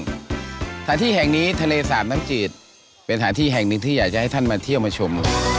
สถานที่แห่งนี้ทะเลสาบน้ำจืดเป็นสถานที่แห่งหนึ่งที่อยากจะให้ท่านมาเที่ยวมาชม